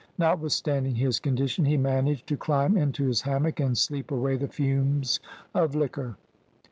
Notwithstanding his condition he managed to climb into his hammock and sleep away the fumes of liquor.